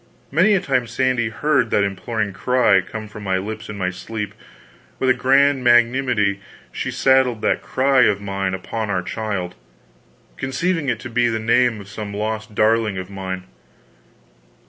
Many a time Sandy heard that imploring cry come from my lips in my sleep. With a grand magnanimity she saddled that cry of mine upon our child, conceiving it to be the name of some lost darling of mine.